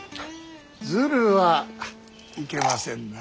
ずるはいけませんな。